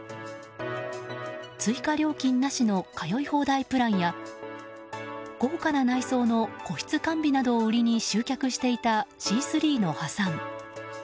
追加料金なしの通い放題プランや豪華な内装の個室完備などを売りに集客していたシースリーの破産。